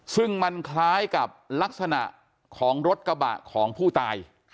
ซึ่งมันคล้ายกับลักษณะของรถกระบะของผู้ตาย